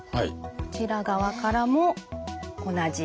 こちら側からも同じ。